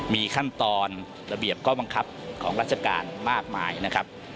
มีขั้นตอนระเบียบข้อบังคับของราชการมากมายนะครับ